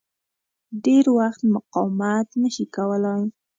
ډېر وخت مقاومت نه شي کولای.